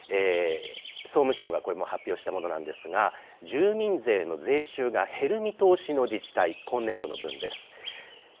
総務省が発表したものなんですが住民税の税収が減る見通しの自治体、今年度の分です。